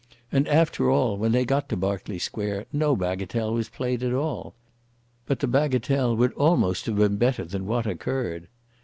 And, after all, when they got to Berkeley Square no bagatelle was played at all. But the bagatelle would almost have been better than what occurred.